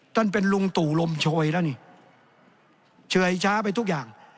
ท่านเป็นลุงตู่ลมโชยแล้วนี่เชยช้าไปทุกอย่าง